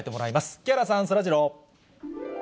木原さん、そらジロー。